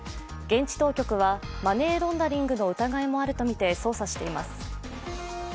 現地当局はマネーロンダリングの疑いもあるとみて捜査しています。